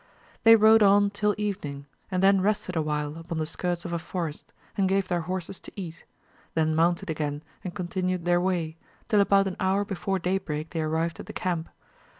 They rode on tm evening, and then rested awhHe upon the skirts of a forest, and gave their horses to eat, then mounted again, and continued their way, till about an hour before day break they arrived at the camp.